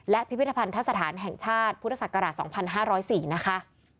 และพิพิธภัณฑสถานแห่งชาติพุทธศักราช๒๕๐๔นะคะ